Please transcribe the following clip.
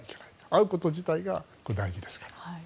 会うこと自体が大事ですから。